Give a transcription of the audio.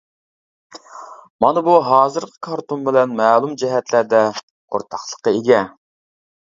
مانا بۇ ھازىرقى كارتون بىلەن مەلۇم جەھەتلەردە ئورتاقلىققا ئىگە.